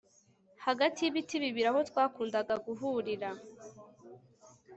Hagati y ibiti bibiri aho twakundaga guhurira